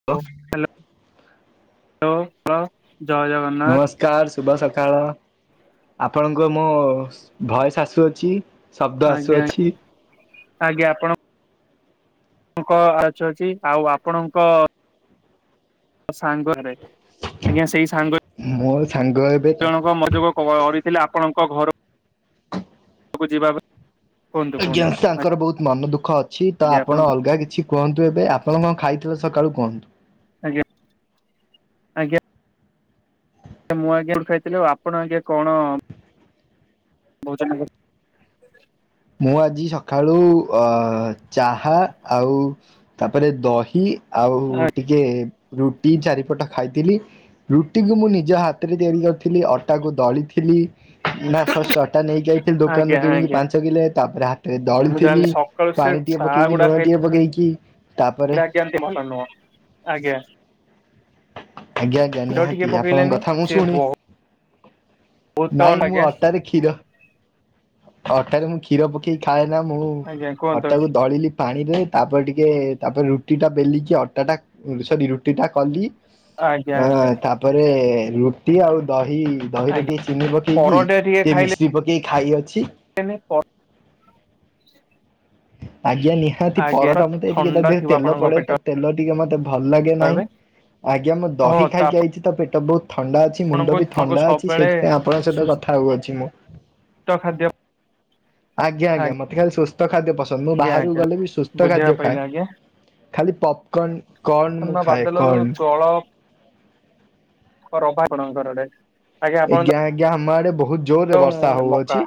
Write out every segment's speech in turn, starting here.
Hello ଜୟ ଜୟ ଜୟ ଜଗନ୍ନାଥ। [unintelligible] କାର୍ ଶୁଭ ସକାଳ ଆପଣଙ୍କୁ ମୋ ଭଏସ୍ ଆସୁ ଅଛି। ଶବ୍ଦ ଆଜ୍ଞା ଆସୁଅଛି। ଆଜ୍ଞା ଆପଣ ଙ୍କ ଆଚୁ ଅଚି ଆଉ ଆପଣଙ୍କ ସାଙ୍ଗରେ। ଆଜ୍ଞା ସେଇ ସାଙ୍ଗ ମୋ ସାଙ୍ଗ ଏବେ ଜଣଙ୍କ ମଜୋଗ କରିଥିଲେ ଆପଣଙ୍କ ଘରକୁ ଯିବା ପାଇଁ। କୁହନ୍ତୁ ଆଜ୍ଞା କୁହନ୍ତୁ ତାଙ୍କର ବହୁତ ମନ ଦୁଃଖ ଅଛି ତ ଆପଣ ଅଲଗା କିଛି କୁହନ୍ତୁ ଏବେ ଆପଣ କଣ ଖାଇଥିଲେ ସକାଳୁ କୁହନ୍ତୁ? ଆଜ୍ଞା। ଆଜ୍ଞା ମୁଁ ଆଜ୍ଞା ଉ ଖାଇଥିଲି ଆପଣ ଆଜ୍ଞା କଣ ମୋ ଜାଣିବାରେ ମୁଁ ଆଜି ସକାଳୁ ଅ ଚାହା ଆଉ ତାପରେ ଦହି ଆଉ ଟିକେ ରୁଟି ଚାରିପଟ ଖାଇଥିଲି। ରୁଟିକୁ ମୁଁ ନିଜ ହାତରେ ତିଆରି କରିଥିଲି ଅଟାକୁ ଦଳିଥିଲି। ନା ଫାଷ୍ଟ ଅଟା ନେଇକି ଆଇଥିଲି ଦୋକାନ୍ ଆଜ୍ଞା ରୁ କିଣିକି ଆଜ୍ଞା ପାଞ୍ଚ କିଲୋ ତାପରେ ହା ମୁଁ ଦଳିଥିଲି ଜାଣିଲି ସକାଳୁ ସେ ପାଣି ଟିକେ ଚା ପକେଇକି ଲୁଣ ଟିକେ ପକେଇକି ତାପରେ କେମିତି ଭଲ ନୁହଁ। ଆଜ୍ଞା ଆଜ୍ଞା କ୍ଷୀର ନିହାତି ଟିକେ ଆପଣଙ୍କ ପକେଇଲେନି କଥା ମୁଁ ସେ ଶୁଣି ବୋ ନାଇଁ ମୁଁ ଅଟାରେ କ୍ଷୀର ଅଟାରେ ମୁଁ କ୍ଷୀର ପକେଇକି ଖାଏ ନା ମୁଁ ଆଜ୍ଞା କୁହନ୍ତୁ ଅଟାକୁ ଦଳିଲି। ପାଣିରେ ତାପରେ ଟିକେ ତାପରେ ରୁଟି ଟା ବେଲିଚି ଅଟା ଟା ସରି ରୁଟି ଟା କଲି। ଆଜ୍ଞା ଆଜ୍ଞା ଅଁ ତାପରେ ରୁଟି ଆଉ ଦହି ଦହିରେ ଆଜ୍ଞା ଟିକେ ଚିନି ପକେଇକି ପରଟା ଟିକେ ମିସ୍ତ୍ରୀ ପକେଇକି ଖାଇ ଅଛି। ମେନ୍ ପ ଆଜ୍ଞା ନିହାତି ପରଟା ମତେ ଟିକେ ତା ଥଣ୍ଡା ଦେହରେ ଥିବ ତେଲ ଆପଣଙ୍କ ପଡେ ପେଟ ତ। ତେଲ ଟିକେ ମତେ ଭଲ ଲାଗେ ନାହିଁ ଏବେ ଆଜ୍ଞା ମୁଁ ଓ ଦହି ତ ଖାଇକି ଆଇଛି ତ ପେଟ ବହୁତ ଥଣ୍ଡା ଅଛି। ଆପଣଙ୍କୁ ମୁଣ୍ଡ ବି ଆପଣଙ୍କୁ ଥଣ୍ଡା ଅଛି ସବୁବେଳେ ସେଇଥିପାଇଁ ଆପଣଙ୍କ ସହିତ ସୁସ୍ଥ କଥା ହଉଅଛି ମୁଁ। ଖାଦ୍ୟ ଆଜ୍ଞା ଆଜ୍ଞା ମତେ ଖାଲି ସୁସ୍ଥ ଖାଦ୍ୟ ପସନ୍ଦ ମୁଁ ଆଜ୍ଞା ବାହାରକୁ ଆଜ୍ଞା। ଗଲେ ବି ସୁସ୍ଥ ବୁଝିବା ଖାଦ୍ୟ ଖାଏ। ପାଇଲା ଆଜ୍ଞା ଖାଲି ପପ୍ କନ୍ କନ୍ ମୁଁ ଖାଏ କନ୍। ତଳ। କ ରମ୍ଭା କଣ ଙ୍କର ଡେଟ୍। ଏଜ୍ଞା ଜ୍ଞା ଆମ ଆଡେ ବହୁତ ଜୋରରେ ତ ବର୍ଷା ମକା ହୋଉଅଛି।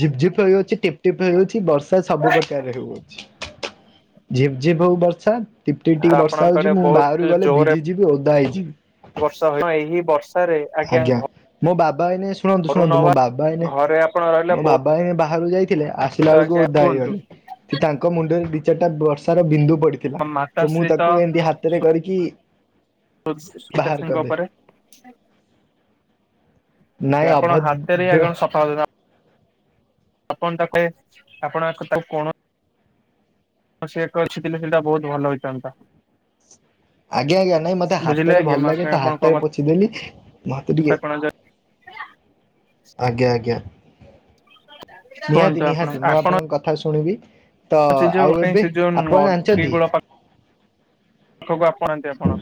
ଝିପ୍ ଝିପ୍ ହେଉଅଛି ଟିପ୍ ଟିପ୍ ହେଉଅଛି ବର୍ଷା ସବୁ ପ୍ରକାର ହେଉଅଛି। ଝିପ୍ ଝିପ୍ ହୋଉ ବର୍ଷା। ଟିପ୍ ଟିପ୍ ଟିକେ ବର୍ଷା ଆପଣଙ୍କଆଡେ ହୋଉଚି ମୁଁ ବାହାରୁ ଗଲେ ଭିଜିଯିବି ଓଦା ହେଇଯିବି। ହଁ ଏହି ବର୍ଷରେ ଆଜ୍ଞା ଘ ମୋ ବାବା ଏଇନେ ଶୁଣନ୍ତୁ ଶୁଣନ୍ତୁ ମୋ ବାବାଏଇନେ ଘରେ ଆପଣ ରହିଲେ ମୋ ବାବା ଏଇନେ ବାହାରୁ ଯାଇ ଥିଲେ ଆସିଲା ବହୁତ ବେଳକୁ ଆଜ୍ଞା ଓଦା କୁହନ୍ତୁ ହେଇଗଲେ ତାଙ୍କ ମୁଣ୍ଡରେ ଦି ଚାରିଟା ବର୍ଷାର ବିନ୍ଦୁ ପଡିଛି। ଥିଲା ତ ମୁଁ ତାକୁ ଏମିତି ହାତରେ କରିକି ତ ବାହାର ସ୍ପିତାସ୍ପିଙ୍କ କରିଦେଲି ଉପରେ। ନାଇଁ କି ଆପଣ ହାତ ରେ ଏଆ ଅଭଦ୍ର କଣ ସଫା ଆପଣ ତା କେ ଆପଣ ଆକୁ ତାକୁ କଣ? ହ ସେ କରିଛିଥିଲେ ସେଇଟା ବହୁତ ଭଲ ହେଇଥାନ୍ତା। ଆଜ୍ଞା ଆଜ୍ଞା ନାଇଁ ମତେ ବୁଝିଲେ ହାତରେ ଆଜ୍ଞା ଭଲ ମୁଁ ଲାଗେ ତ ଆପଣ ଆପଣଙ୍କ ହାତରେ ପୋଛିଦେଲି। ମତେ କଥା ଟିକେ କଣ ଆଜ୍ଞା ଆଜ୍ଞା କୁହନ୍ତୁ ନିହାତି ଆପଣ ନିହାତି ମୁଁ ଆପଣ ଆପଣଙ୍କ କଥାକୁ ଶୁଣିବି। ତ ଆଉ ଏବେ ଆପଣ ଜାଣିଛନ୍ତି? ସକୁୁ ଆପଣନ୍ତି ଆପଣ?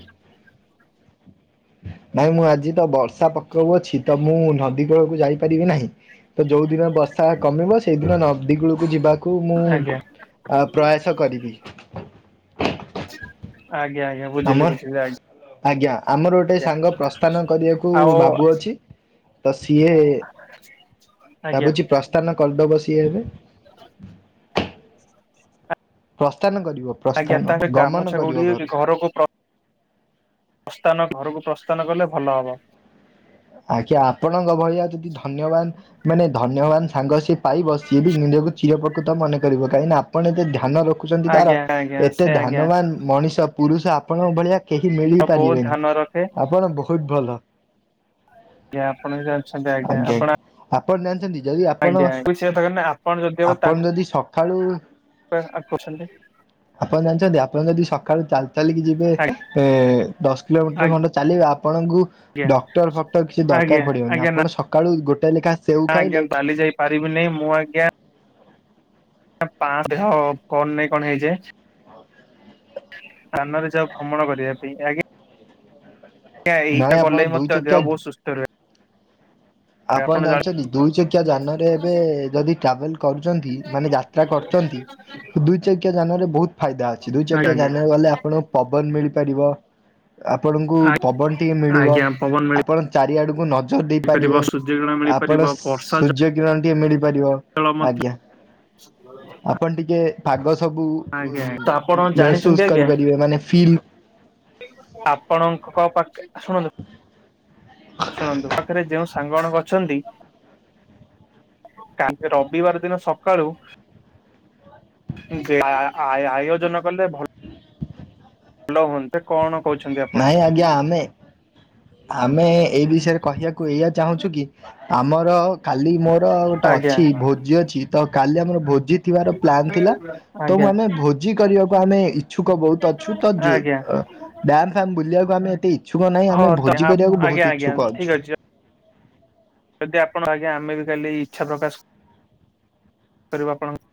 ନାଇଁ ମୁଁ ଆଜି ତ ବର୍ଷା ପକାବ ଅଛି ତ ମୁଁ ନଦୀ କୂଳକୁ ଯାଇପାରିବି ନାହିଁ। ତ ଯୋଉ ଦିନ ବର୍ଷା କମିବ ସେଇଦିନ ନଦୀଗୁଳକୁ ଯିବା। କୁ ମୁଁ ଆଜ୍ଞା ପ୍ରୟାସ କରିବି। ଆଜ୍ଞା ଆଜ୍ଞା। ବୁଝିଲି ଆମର ବୁଝିଲି ଆଜ୍ଞା ଆଜ୍ଞା ଆମର ଗୋଟେ ସାଙ୍ଗ ପ୍ରସ୍ଥାନ କରିବାକୁ ଆଉ ଭାବୁଅଛି। ତ ସିଏ ଭାବୁଛି ପ୍ରସ୍ଥାନ କରିଦବ ସିଏ ଏବେ ହ ପ୍ରସ୍ଥାନ କରିବ। ଆଜ୍ଞା ପ୍ରସ୍ଥାନ ତାଙ୍କ ଗମନ ଗାମୁଛା କରିବ ଗୁଡି ଘରୁ। ଘରକୁ ପ୍ରସ୍ଥାନ ଘରକୁ ପ୍ରସ୍ଥାନ କଲେ ଭଲ ହବ। ଆଜ୍ଞା ଆପଣଙ୍କ ଭଳିଆ ଯଦି ଧନ୍ୟବାଦ। ମାନେ ଧନ୍ୟବାନ ସାଙ୍ଗ ସିଏ ପାଇବ ସିଏ ବି ନିଜକୁ ଚିର ପ୍ରକୃତ ମନେ କରିବ କାହିକି ଆପଣ ଏତେ ଧ୍ୟାନ ରଖ। ଖଛନ୍ତି ତାର ଆଜ୍ଞା ଆଜ୍ଞା ଏତେ ସେ ଆଜ୍ଞା ଧାନବାନ ମଣିଷ ପୁରୁଷ ଆପଣଙ୍କ ଭଳିଆ। କେହି ମଳି ଆଉ ବହୁତ ପାରିବେନି ଧ୍ୟାନ ରଖେ ଆପଣ ବହୁତ ଭଲ ହ ଆଜ୍ଞା ଆପଣ ଯ ଅଛନ୍ତି ଆଜ୍ଞା ଆପଣ? ଆପଣ ଜାଣିଛନ୍ତି ଯଦି ଆପଣ ଆଜ୍ଞା ସେ କଥା ଆପଣ ଆପଣ ଯଦି ସକାଳୁ। ଆଗ କରଛନ୍ତି। ଆପଣ ଜାଣିଛନ୍ତି ଆପଣ ଯଦି ସକାଳୁ ଚାଲି ଚାଲିକି ଯିବେ ଆଜ୍ଞା ଦଶ କିଲୋମିଟର ଖଣ୍ଡେ ଚାଲିବା ଆପଣଙ୍କୁ [inaudible] ଫକ୍ଟର ଫକ୍ଟର କିଛି ଦରକାର ଆଜ୍ଞା ପଡ଼ିବନିପଣ ସକାଳୁ ଗୋଟାଏ ଲେଖା। ସେଉ ହ ଆଜ୍ଞା ଖାଇଲେ ଡଲି ଯାଇ ପାରିବିନି ମୁଁ ଆଜ୍ଞା ପାଞ୍ଚ ହ କଣ ନାଇଁ କଣ ହେଇଛେ। କାନରେ ଯାଉ ଭ୍ରମଣ କରିବା ପାଇଁ ଆଜ୍ଞା। ଏ ନାଇଁ ଏଇଟା ଆପଣ ଗଲେ ଦୁଇ ମତେ ଦେହ ଚକିଆ ବହୁତ ସୁସ୍ଥ ରୁହେ। ଆପଣ ଜାଣିଛନ୍ତି ଦୁଇ ଚକିଆ ଯାନରେ ଏବେ ଯଦି ଟ୍ରାଭେଲ କରୁଛନ୍ତି ମାନେ ଯାତ୍ରା କରୁଛନ୍ତି ଦୁିଚକି ଯାନରେ ବହୁତ। ଫାଇଦା ଅଛି ଦୁଇ ଆଜ୍ଞା ଚକି ଜାଣିବାକୁ ଗଲେ ଆପଣଙ୍କୁ ପବନ ମିଳିପାରିବ। ଆପଣଙ୍କୁ ଆଜ୍ଞା ପବନ ଟିକେ ମିଳିବ ଆଜ୍ଞା ପବନ ଆପଣ ଚାରିଆଡକୁ ନଜର ଦେଇ ମିଳିପାରିବ ପାରିବେ। ସୂର୍ଯ୍ୟକିରଣ ମିଳିପାରିବ ଆପଣ ବର୍ଷା ସୂର୍ଯ୍ୟ କିରଣ ଟିକେ ମିଳିପାରିବ? ଜଳ ମଧ୍ୟ ଆଜ୍ଞା ଆପଣ ଟିକେ ପାଗ ସବୁ ଆଜ୍ଞା ତ ଆପଣ ଜାଣିଛନ୍ତି ମେହସୁସ ଆଜ୍ଞା କରିପାରିବେ ମାନେ ଫିଲ୍। ଆପଣଙ୍କ ପାଖ ଶୁଣନ୍ତୁ ଶୁଣନ୍ତୁ ପାଖରେ ଯେଉଁ। ସାଙ୍ଗ ଜଣକ ଅଛନ୍ତି? କାଲି ରବିବାର ଦିନ ସକାଳୁ ଆୟୋଜନ କଲେ ଭଲ। ଭଲ ହୁଅନ୍ତେ କଣ କହୁଛନ୍ତି ଆପଣ? ନାହିଁ ଆଜ୍ଞା ଆମେ ଆମେ ଏଇ ବିଷୟରେ କହିବାକୁ ଏଇଆ ଚାହୁଁଛୁ କି ଆମର କାଲି ମୋର ଗୋଟେ ଆଜ୍ଞା ଅଛି ଭୋଜି ଅଛି ତ କାଲି ଆମର ଭୋଜି। ଥିବାର ସ୍ୱପ୍ନ ଥିଲା ତ ଆଜ୍ଞା ଆମେ ଭୋଜି କରିବାକୁ ଆମେ। ଇଛୁକ ବହୁତ ଅଛୁ ତଡ ଆଜ୍ଞା ଫ ବୁଲିବାକୁ ଆମେ ଏତେ ଇଛୁକ ନାହିଁ ହଁ ଆମେ। ତ ଆ କରିବାକୁ ଆଜ୍ଞା ବହୁତ ଆଜ୍ଞା ଇଚ୍ଛୁକ ଠିକ୍ ଅଛୁ। ଅଛି ଯଦି ଆପଣ ଆଜ୍ଞା ଆମେ ବି କାଲି ଇଚ୍ଛା ପ୍ରକାଶ କରିବା ଆପଣଙ୍କ।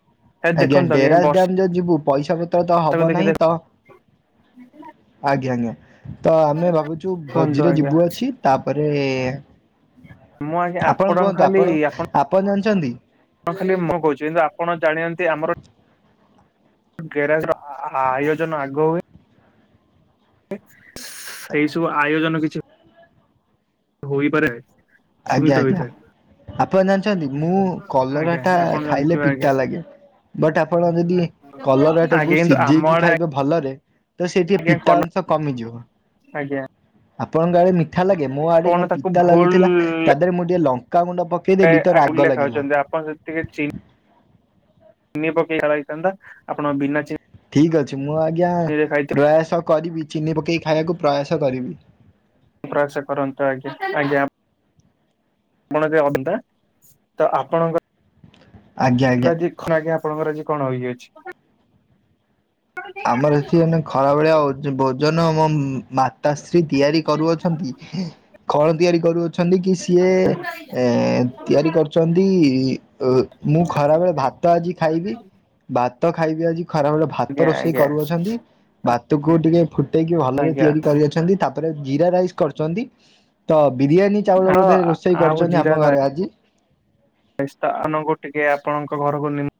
ଆଜ୍ଞା ଦେଖନ୍ତୁ ଡେରାଡ୍ରାମ ବର୍ଷାକୁ ଯଦି ଯିବୁ ପଇସା ପତ୍ର ତ ହବ ଦେଖି ନାହିଁ ତ ଆଜ୍ଞା ଆଜ୍ଞା ତ ଆମେ ଭାବୁଛୁ ଦେଖନ୍ତୁ ଭୋଜିରେ ଆଜ୍ଞା ଯିବୁ ଅଛି? ତାପରେ ମୁଁ ଆଜ୍ଞା ଆପଣ କୁହନ୍ତୁ ଆପଣ ଆପଣ ଜାଣିଛନ୍ତି? ହଣ ଖାଲି ମୁଁ କହୁଛି କିନ୍ତୁ ଆପଣ ଜାଣନ୍ତି ଆମର ଗେରାଜର ଆ ଆ ଆୟୋଜନ ଆଗ ହୁଏ। ସେଇ ସବୁ ଆୟୋଜନ କି ହୋଇପାରେ ଆଜ୍ଞା ସୀମିତ ଆଜ୍ଞା। ହୋଇଥାଏ। ଆପଣ ଜାଣିଛନ୍ତି ମୁଁ କଲରା ଆଜ୍ଞା ଟା ଆଜ୍ଞା ଆପଣ ଖାଇଲେ ଜାଣିଥିବେ ଆଜ୍ଞା ପିତାା ଲାଗେ। ବଟ୍ ଆପଣ ଯଦି କଲରା ଆଜ୍ଞା ଟାକୁ କିନ୍ତୁ ଆମ ସିଝେଇକି ଆଡେ ଖାଇବେ ଭଲରେ। ତ ସେ ଟିକେ ଆଜ୍ଞା ପିତା କଲ ଅଂଶ କମିଯିବ। ଆଜ୍ଞା। ଆପଣଙ୍କ ଆଡେ ମିଠା ଲାଗେ ମୋ ଆଡେ ଆପଣ କଣ ତାକୁ ପିତା ଭୁଲ ଲାଗୁଥିଲା ତା ଦେହରେ ମୁଁ ଟିକେ ଲଙ୍କାାଗୁଣ୍ଡ ପ ଲେ ପକେଇଦେଲି ତ ରାଗ ଲାଗିଲା। ଲେଖାଉଛନ୍ତି ଆପଣ ଯଦି ଟିକେ ଚି ଚିନି ପକେଇ ହେଇଥାନ୍ତା [unintelligible] ଆପଣ ବିନା ଚି ଠିକ ଅଛି ମୁଁ ଆଜ୍ଞା ପ୍ରୟାସ କରିବି ଚିନି ପକେଇି ଖାଇବାକୁ ପ୍ରୟାସ କରିବି। ପ୍ରୟାସ କରନ୍ତୁ ଆଜ୍ଞା ଆଜ୍ଞା। ଆପଣ ଯେ ଅନ୍ଧା ତ ଆପଣଙ୍କ ଆଜ୍ଞା ଆଜ୍ଞା। [unintelligible] ଆଜ୍ଞ ଆପଣଙ୍କର ଆଜି କଣ ହେଇକି ଅଛି। ଆମର ଏଠି ମାନେ ଖରା ଭଳିଆ ହଉ। ଭୋଜନ ମୋ ମାତାଶ୍ରୀ ତିଆରି କରୁଅଛନ୍ତି କଣ ତିଆରି କରୁଅଛ ଅଛନ୍ତି କି ସିଏ ଏଁ ତିଆରି କରିଛନ୍ତି। ଓଃ ମୁଁ ଖରାବେଳେ ଭାତ ଆଜି ଖାଇବି ଭାତ ଖାଇବି ଆଜି ଖରାବେଳେ ଭାତ ଆଜ୍ଞା ରୋଷେଇ ଆଜ୍ଞା କରୁଅଛନ୍ତି। ଭାତକୁ ଟିକେ ଫୁଟେଇକି ଭଲରେ ଆଜ୍ଞା ତିଆରି କରୁଅଛନ୍ତି ତାପରେ ଜିରା ରାଇସ କରୁଛନ୍ତି। ତ ବିରିୟାନୀ ଚାଉଳ ଆଉ ବୋଧେ ରୋଷେଇ କରୁଛନ୍ତି ଆମ ଘରେ ଆଜି ଏ ସ୍ଥାନକୁ ଟିକେ ଆପଣଙ୍କ ଘରକୁ ନି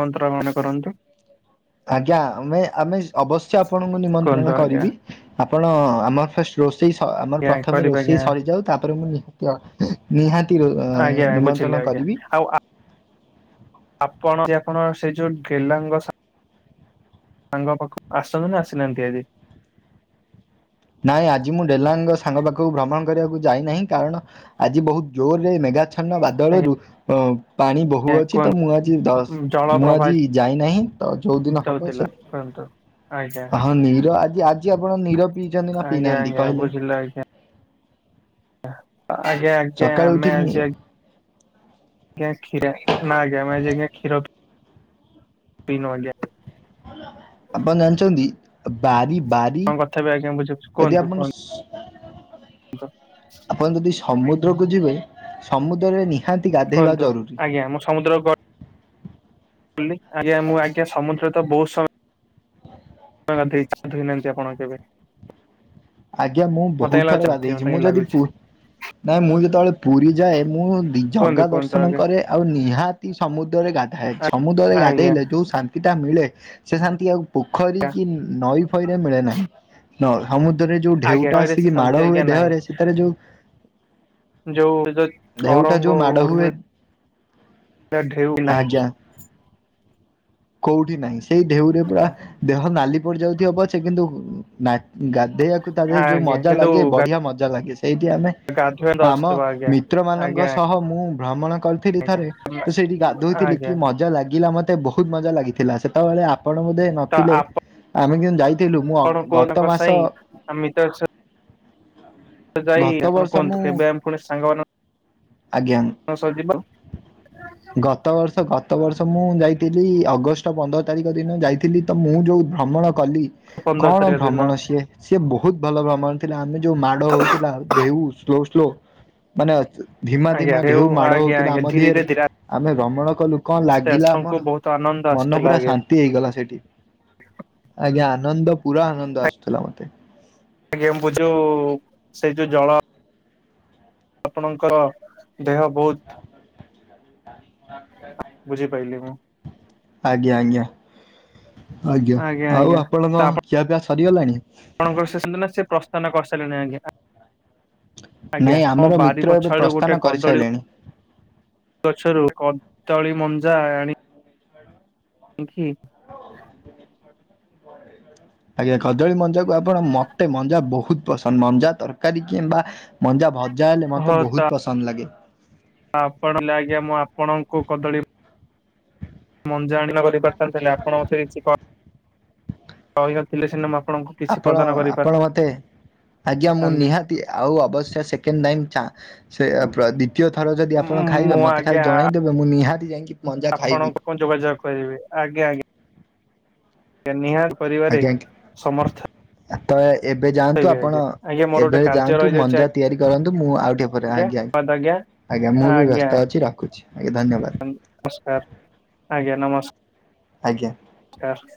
ମନ୍ତ୍ର ଗଣ କରନ୍ତୁ। ଆଜ୍ଞା ଆମେ ଆମେ ଅବଶ୍ୟ ଆପଣଙ୍କୁ କୁହନ୍ତୁ ନିମନ୍ତ୍ରଣ ଆଜ୍ଞା କରିବି ଆପଣ ଆମର ଫଷ୍ଟ ରୋଷେଇ ସ ଆମର ଆଜ୍ଞା ପ୍ରଥମେ କରିବି ଆଜ୍ଞା ରୋଷେଇ ସରିଯାଉ ତାପରେ ମୁଁ ନିହାତି ନିହାତି ଆଜ୍ଞା ବୁଝିଲି ନିମନ୍ତ୍ରଣ ଆଜ୍ଞା କରିବି। ଆଉ ଆପଣ ଯ ଆପଣ ସେଇ ଯୋଉ ଠେଲାଙ୍ଗ ସା ସାଙ୍ଗ ପାଖକୁ ଆସନ୍ତୁ ନା ଆସିନାହାନ୍ତି ଆଜି। ନାଇଁ ଆଜି ମୁଁ ଡେଲାଙ୍କ ସାଙ୍ଗ ପାଖକୁ ଭ୍ରମଣ କରିବାକୁ ଯାଇନାହିଁ କାରଣ ଆଜି ବହୁତ ଜୋରରେ ମେଘା ମେଘାଛିନ୍ନ ବାଦଳରୁ ଆଜ୍ଞା ପାଣି ବହୁ ଅଛି ତ କୁହନ୍ତୁ ମୁଁ ଆଜି ଦ ଜଳ ମୁଁ ଆଜି ପ୍ରବାହିତ ଯାଇନାହିଁ ତ ଯୋଉ ଦିନ ହବ ହଉଥିଲା ସେ କୁହନ୍ତୁ। ଆଜ୍ଞା ହଁ ନିର ଆଜି ଆଜି ଆପଣ ନିର ପିଇଛନ୍ତି ନା ଆଜ୍ଞା ପିଇନାହାନ୍ତି ଆଜ୍ଞା କହିଲେ। ବୁଝିଲି ଆଜ୍ଞା ଆଜ୍ଞା ଆଜ୍ଞା ସକାଳୁ ଆମେ ଉଠିକି ନି ଆଜି ଆଜ୍ଞା କ୍ଷୀରା ନାଁ ଆଜ୍ଞା ଆମେ ଆଜ୍ଞା କ୍ଷୀର ପି ପିଇନୁ ଆଜ୍ଞା। ଆପଣ ଜାଣିଛନ୍ତି ବାରି ବାରି ଆପଣଙ୍କ କଥା ବି ଆଜ୍ଞା ବୁଝୁଛୁ ଯଦି କୁହନ୍ତୁ ଆପଣ କୁହନ୍ତୁ ସ ଆପଣ ଯଦି ସମୁଦ୍ରକୁ ଯିବେ ସମୁଦ୍ରରେ ନି କୁହନ୍ତୁ ଆଜ୍ଞା ମୁଁ ସମୁଦ୍ରକୁ ଗ ଲି ଆଜ୍ଞା ମୁଁ ଆଜ୍ଞା ସମୁଦ୍ର ତ ବୋହୁତ ସମ ୟ ଗାଧେଇଛି ଗାଧେଇ ନାହାନ୍ତି ଆପଣ କେବେ। ଆଜ୍ଞା ମୁଁ ମତେ ବୋହୁତ କାଇଁ ଲାଗୁଛି ଥର ନଥିବେ ଗାଧେଇଚି ମତେ ମୁଁ କାଇଁ ଯଦି ଲାଗୁଛି ପୁ ନାହିଁ ମୁଁ ଯେତବଳେ ପୁରୀ ଯାଏ ମୁଁ ଦି କୁହନ୍ତୁ ଜଗା କୁହନ୍ତୁ ଦର୍ଶନ ଆଜ୍ଞା କରେ। ଆଉ ନିହାତି ସମୁଦ୍ରରେ ଗାଧାଏ ସମୁଦ୍ରରେ ଆଜ୍ଞା ଗାଧେଇଲେ ଯୋଉ ଶାନ୍ ତିଟା ମିଳେ ସେ ଶାନ୍ତି ଆଉ ପୋଖରୀ ଆଜ୍ଞା କି ନଈ ଫଇରେ ମିଳେ ନାହିଁ ନ ସମୁ ଯୋଉ ଆଜ୍ଞା ଢେଉଟା ନଈରେ ସେ ଆସିକି ମାଡ ଶାନ୍ତି ହୁଏ ଆଜ୍ଞା ନାହିଁ ଦେହରେ ସେତେବେଳେ ଯୋଉ ଯୋଉ ଯୋଉ ଢେଉଟା ଯୋଉ ତରଙ୍ଗ ମାଡ ହୁଏ ଉର୍ମିଳ ଢେଉ ନାହିଁ ଆଜ୍ଞା କୋଉଠି ନାହିଁ ସେଇ ଢେଉରେ ପୁରା ଆଜ୍ଞା ଦେହ ନାଲି ପଡିଯାଉଥିବ ପଛେ କିନ୍ତୁ ଉଁ ନା ଉଁ ଗାଧେଇବା କୁ ତା ଧିଏରେ ଯୋଉ ଆଜ୍ଞା ମଜା କିନ୍ତୁ ଲାଗେ ବଢିଆ ମଜା ଲାଗେ ସେଇଠି ଆମେ ଗାଧୁଆ ତ ଆମ ଆସୁଥିବ ଆଜ୍ଞା ମିତ୍ରମାନଙ୍କ ଆଜ୍ଞା ସହ ମୁଁ ଭ୍ରମଣ କରି ଥିଲି ଆଜ୍ଞା ଥରେ ତୁ ସେଇଠି ଗାଧୋଇଥିଲି ଆଜ୍ଞା କି ମଜା ଲାଗିଲା ମ ତେ ବୋହୁତ ମଜା ଲାଗିଥିଲା ସେତବେଳେ ଆପଣ ବୋଧେ ତ ନଥିଲେ ଆମେ କିନ୍ତୁ ଯାଇ ଥିଲୁ ମୁଁ ଅ ଆପଣ ଉଁ କୁହନ୍ତୁ ଗତ ତାଙ୍କ ମାସ ସାଇଁ ଆମେ ତ ସ [inaudible] ତ ଯାଇ ଆପଣ ବର୍ଷ ମୁଁ କୁହନ୍ତୁ କେବେ ଆମେ ଫୁଣି ସାଙ୍ଗମାନ ଆଜ୍ଞା ଉଁ ହଁ ସରଯିବ। ଗତ ବର୍ଷ ଗ ତ ବର୍ଷ ମୁଁ ଯାଇଥିଲି ଅଗଷ୍ଟ ପନ୍ଦର ତାରିଖ ଦିନ ମୁଁ ଯାଇଥିଲି ତ ମୁଁ ଯୋଉ ଭ୍ରମଣ କଲି ପନ୍ଦର କଣ ତାରିଖ ଦିନ ଭ୍ରମଣ ସିଏ ସିଏ ବୋହୁତ ଭଲ ଭ୍ରମଣ ଥିଲା ଆମେ ଯୋଉ ମାଡ ହଉଥିଲା ଦେଉ ସ୍ଲୋ ସ୍ଲୋ ମାନେ ତି ଧିମା ଆଜ୍ଞା ଧିମା ହେଉ ଢେଉ ମାଡ ଆଜ୍ଞା ହଉଥିଲା ଆଜ୍ଞା ଆମ ଧୀରେ ଧିଏରେ ଧୀରେ ଆମେ ଭ୍ରମଣ କଲୁ କଁ ଆସ୍ତେ ଲାଗିଲା ଆପଣଙ୍କୁ ଆମର ବହୁତ ଆନନ୍ଦ ମନ ଆସୁଥିଲା ପୁରା ଆଜ୍ଞା। ଶାନ୍ ତି ହେଇଗଲା ସେଠି ଆଜ୍ଞା ଆନନ୍ଦ ପୁରା ଆନନ୍ଦ ଆସୁଥିଲା ମତେ। ଆଜ୍ଞା ମୁଁ ଯୋଉ ସେଇ ଯୋଉ ଜଳ ଆପଣଙ୍କର ଦେହ ବୋହୁତ ବୁଝିପାଇଲି ମୁଁ। ଆଜ୍ଞା ଆଜ୍ଞା ଆଜ୍ଞା ଆଉ ଆଜ୍ଞା ଆପଣଙ୍କ ତ ଖିଆ ପିଆ ସରିଗଲାଣି? ଆପଣଙ୍କର [unintelligible] ସେ ପ୍ରସ୍ତାନ କରିସାଇଲେଣି ଆଜ୍ଞା। ନାଇଁ ଆଜ୍ଞା ମୋ ଆମର ବାରି ମିତ୍ର ଏବେ ପଛ ଆଡୁ ପ୍ରସ୍ଥାନ ଗୋଟେ କଦଳୀ କରିସାରିଲେଣି। ଗଛରୁ କଦଳୀ ମଞ୍ଜା ଆଣି ଇଁକି ଆଜ୍ଞା କଦଳୀ ମଞ୍ଜାକୁ ଆପଣ ମତେ ମଞ୍ଜା ବୋହୁତ ପସନ୍ଦ ମଞ୍ଜା ତରକାରୀ କିମ୍ବା ମଞ୍ଜା ଭଜା ହେଲେ ମତେ ହଁ ତ ବୋହୁତ ପସନ୍ଦ ଲାଗେ। ଆପଣ ଥିଲେ ଆଜ୍ଞା ମୁଁ ଆପଣଙ୍କୁ କଦଳୀ ମଞ୍ଜା ଆଣି [unintelligible] ପାରିଥାନ୍ତି ଆପଣ ମଧ୍ୟ କିଛି କ କହିି ନଥିଲେ ସିନା ମୁଁ ଆପଣଙ୍କୁ କିଛି ଆପଣ ପ୍ରଦାନ ଆପଣ ମତେ ଆଜ୍ଞା ମୁଁ କରିପାରିଥାନ୍ତି। ନିହା ତି ଆଉ ଅବଶ୍ୟ ସେକେଣ୍ଡ ଟାଇମ୍ ଚାଁ ସେ ପ୍ର ଦି ତୀୟ ଥର ଯଦି ଆପଣ ଖାଇବେ ମୁଁ ମତେ ଆଜ୍ଞା ଖାଲି ଜଣେଇଦେବେ ମୁଁ ନିହାତି ଯାଇଁକି ମଞ୍ଜା ଖାଇବି। କ ଯୋଗାଯୋଗ କରିବେ। ଆଜ୍ଞ ଆଜ୍ଞା। ନିହାର କରିବାରେ ସମର୍ଥ। ଆତ ଏ ଏବେ ଯାଆନ୍ତୁ ହେବି ଆପଣ। ଆଜ୍ଞା ଆଜ୍ଞା ମୋର ଗୋଟେ ଏବେ କାର୍ଯ୍ୟ ଯାଆନ୍ତୁ ରହିଯାଉଛି ମଞ୍ଜା ତିଆରି କରନ୍ତୁ ମୁଁ ଆଉଟିକେ ପରେ ଆଜ୍ଞା ଆଜ୍ଞା। କୁହନ୍ତୁ ଆଜ୍ଞା? ଆଜ୍ଞା ମୁଁ ବି ଆଜ୍ଞା ବ୍ୟସ୍ତ ଅଛି ରଖୁଛି ଆଜ୍ଞା ନମସ୍କାର ଧନ୍ୟବାଦ। ଆଜ୍ଞା ନମସ୍କ। ଆଜ୍ଞା। କାଷ୍ଟ।